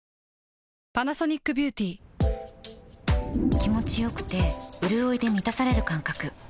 気持ちよくてうるおいで満たされる感覚